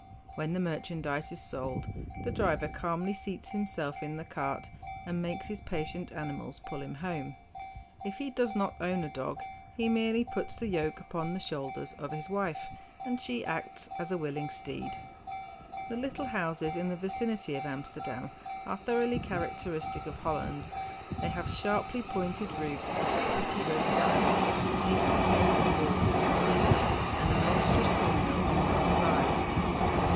When the merchandise is sold the driver calmly seats himself in the cart and makes his patient animals pull him home. If he does not own a dog, he merely puts the yoke upon the shoulders of his wife, and she acts as a willing steed. The little houses in the vicinity of Amsterdam are thoroughly characteristic of Holland. They have sharply pointed roofs of pretty red tiles, neatly painted walls and blinds, and a monstrous windmill on one side.